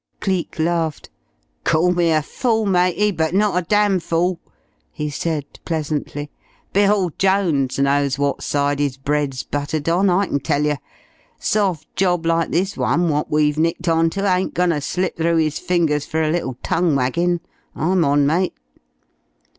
Cleek laughed. "Call me a fool, matey but not a damned fool!" he said pleasantly. "Bill Jones knows what side 'is bread's buttered on, I kin tell yer! Soft job like this one wot we've nicked on ter ain't goin' ter slip through 'is fingers fer a little tongue waggin'. I'm on, mate."